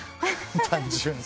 単純に。